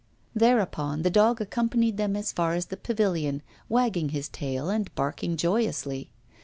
Thereupon the dog accompanied them as far as the pavilion, wagging his tail and barking joyously.